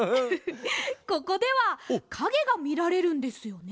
ここではかげがみられるんですよね？